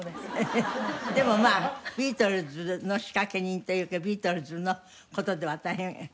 フフフでもまあビートルズの仕掛人というかビートルズの事では大変お働きになった。